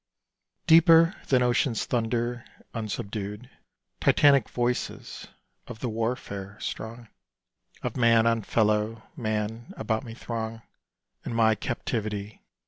Deeper than ocean's thunder unsubdued, Titanic voices of the warfare strong Of man on fellow man about me throng In my captivity.